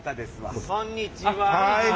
こんにちは。